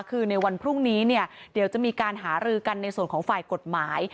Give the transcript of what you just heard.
คือในวันพรุ่งนี้เนี่ยเดี๋ยวจะมีการหารือกันในส่วนของฝ่ายกฎหมาย